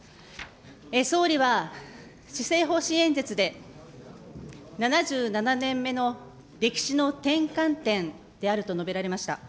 総理は施政方針演説で、７７年目の歴史の転換点であると述べられました。